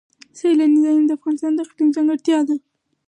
سیلانی ځایونه د افغانستان د اقلیم ځانګړتیا ده.